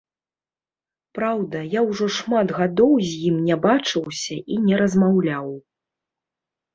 Праўда, я ўжо шмат гадоў з ім не бачыўся і не размаўляў.